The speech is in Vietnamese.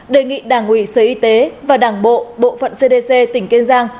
đề nghị đảng ủy sở y tế và đảng bộ bộ phận cdc tỉnh kiên giang